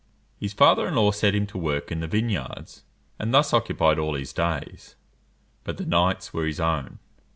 His father in law set him to work in the vineyards, and thus occupied all his days; but the nights were his own.